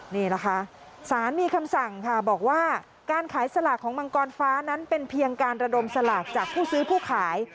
นี่แหละค่ะสารมีคำสั่งค่ะบอกว่าการขายสลากของมังกรฟ้านั้นเป็นเพียงการระดมสลากจากผู้ซื้อผู้ขาย